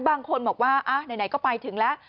บางคนบอกว่าไหนก็ไปถึงแล้ว